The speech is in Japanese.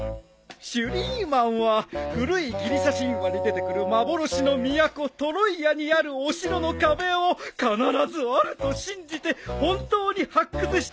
シュリーマンは古いギリシャ神話に出てくる幻の都トロイアにあるお城の壁を必ずあると信じて本当に発掘した偉い人でしょう